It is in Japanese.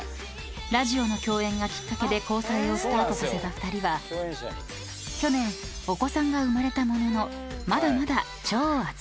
［ラジオの共演がきっかけで交際をスタートさせた２人は去年お子さんが生まれたものの］